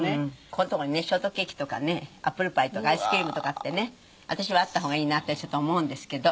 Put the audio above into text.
こういうとこにねショートケーキとかねアップルパイとかアイスクリームとかってね私はあった方がいいなってちょっと思うんですけど。